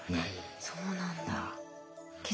そうなんだ。